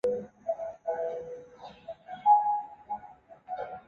把特殊时期的防控疫情要求